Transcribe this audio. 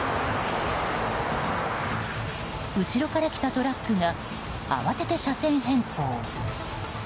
後ろから来たトラックが慌てて車線変更。